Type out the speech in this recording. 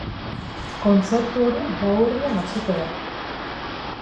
Kontzertu hori gauerdian hasiko da.